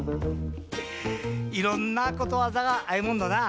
いろんなことわざがあるもんだなぁ。